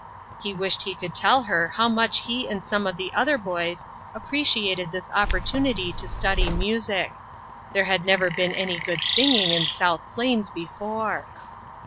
He wished he could tell her how much he and some of the other boys appreciated this opportunity to study music. There had never been any good sing ing in South Plains before.